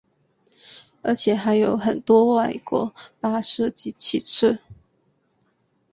而且还有很多外国巴士及汽车。